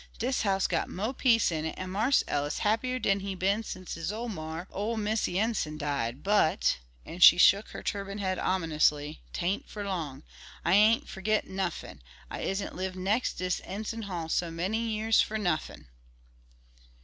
"Dis house got mo' peace in it, an' Marse Ellis happier den he been sence his mar, ol' Missee Enson, died; but," and she shook her turbanned head ominously, "'tain't fer long. I ain't fergit nuffin'; I isn't lived nex' dis Enson Hall so many years fer nuffin."